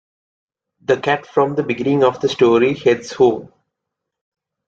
The cat from the beginning of the story heads home.